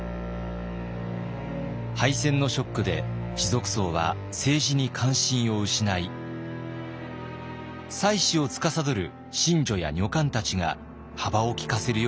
敗戦のショックで士族層は政治に関心を失い祭祀をつかさどる神女や女官たちが幅を利かせるようになります。